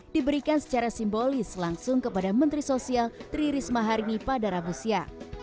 diberikan secara simbolis langsung kepada menteri sosial tri risma harini padarabusya